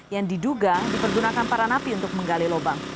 yang diduga dipergunakan para napi untuk menggali lubang